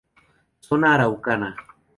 Zona araucana.